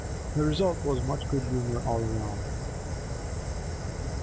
The result was much good humour all round.